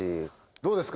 どうですか？